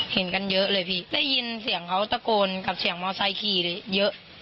เห็นกันเยอะเลยพี่ได้ยินเสียงเขาตะโกนกับเสียงมอไซค์ขี่เยอะ